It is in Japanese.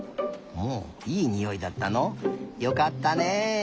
ほういいにおいだったの。よかったね！